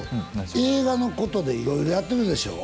映画のことで色々やってるでしょう？